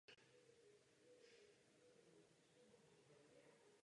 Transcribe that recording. Do ligy se vrátil přímý postup a sestup.